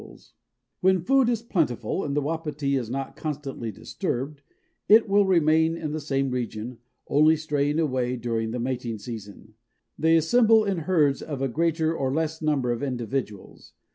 When food is plentiful and the Wapiti is not constantly disturbed, it will remain in the same region, only straying away during the mating season. They assemble in herds of a greater or less number of individuals.